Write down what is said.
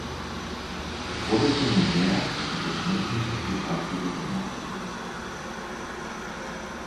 Водачи му беа бесмртните писатели од минатото.